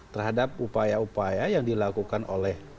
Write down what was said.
terhadap upaya upaya yang dilakukan oleh